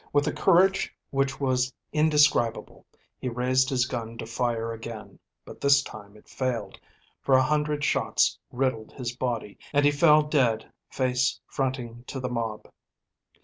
With a courage which was indescribable, he raised his gun to fire again, but this time it failed, for a hundred shots riddled his body, and he fell dead face fronting to the mob.